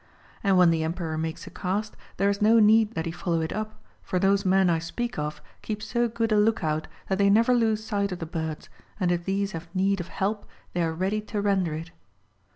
And when the Emperor makes a cast, there is no need that he follow it up, for those men I speak of keep so good a look out that they never lose sight of the birds, and if these have need of help they are ready to render it.